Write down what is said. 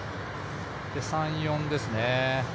３、４ですね。